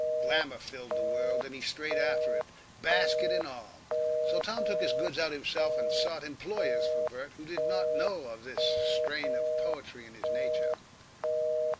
Glamour filled the world, and he strayed after it, basket and all. So Tom took his goods out himself, and sought employers for Bert who did not know of this strain of poetry in his nature.